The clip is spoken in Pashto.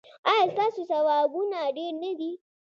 ایا ستاسو ثوابونه ډیر نه دي؟